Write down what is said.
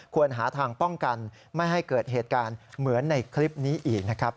หาทางป้องกันไม่ให้เกิดเหตุการณ์เหมือนในคลิปนี้อีกนะครับ